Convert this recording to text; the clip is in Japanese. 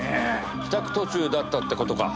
帰宅途中だったって事か。